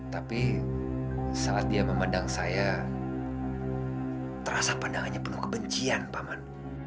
tapi saat dia memandang saya terasa pandangannya penuh kebencian paman